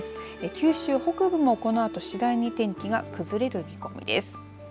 九州北部もこのあと次第に天気が崩れる見込みです。